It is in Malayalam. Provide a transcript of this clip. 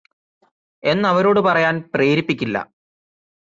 എന്നവരോട് പറയാൻ പ്രേരിപ്പിക്കില്ല